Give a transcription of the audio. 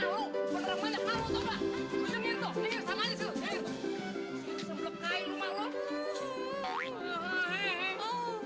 aku ini memang cantik aku ini memang manis